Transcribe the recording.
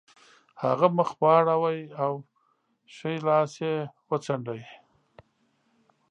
هغه مخ واړاوه او ښی لاس یې وڅانډه